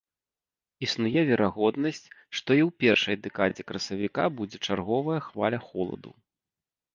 Існуе верагоднасць, што і ў першай дэкадзе красавіка будзе чарговая хваля холаду.